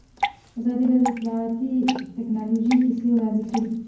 ازادي راډیو د اطلاعاتی تکنالوژي کیسې وړاندې کړي.